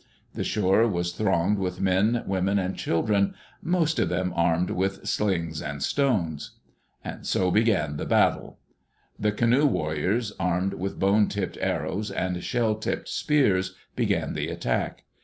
The shore was thronged with men, women, and children, most of them armed with slings and stones. So began the battle. The canoe warriors, armed with bone tipped arrows and shell tipped spears, began the attack.